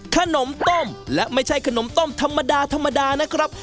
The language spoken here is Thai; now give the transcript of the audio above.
ขนมต้มและไม่ใช่ขนมต้มธรรมดาธรรมดานะครับ